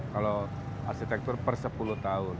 kalau arsitektur per sepuluh tahun